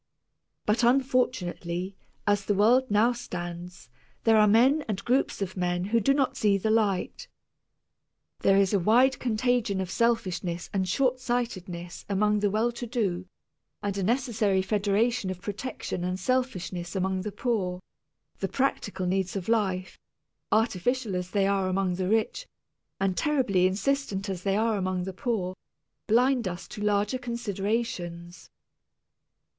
But unfortunately, as the world now stands, there are men and groups of men who do not see the light. There is a wide contagion of selfishness and short sightedness among the well to do, and a necessary federation of protection and selfishness among the poor. The practical needs of life, artificial as they are among the rich, and terribly insistent as they are among the poor, blind us to larger considerations.